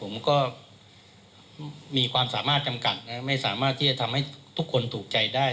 ผมก็มีความสามารถจำกัดนะไม่สามารถที่จะทำให้ทุกคนถูกใจได้